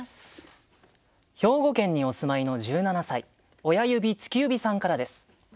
兵庫県にお住まいの１７歳親指突き指さんからです。